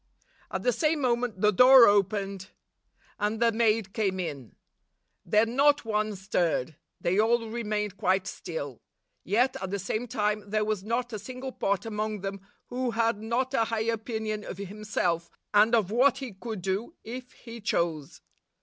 At the same moment the door opened, and the maid came in. Then not one stirred. They all re mained quite still; yet, at the same time, there was not a single pot among them who had not a high opinion of himself, and of what he could do if he chose.